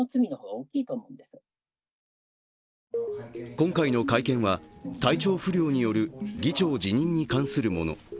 今回の会見は、体調不良による議長辞任に関するもの。